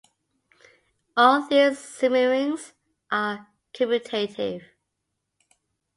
All these semirings are commutative.